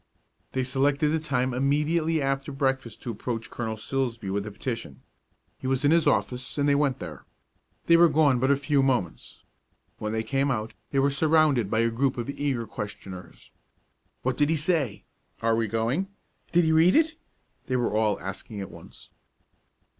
They selected the time immediately after breakfast to approach Colonel Silsbee with the petition. He was in his office, and they went there. They were gone but a few moments. When they came out, they were surrounded by a group of eager questioners. "What did he say?" "Are we going?" "Did he read it?" They were all asking at once.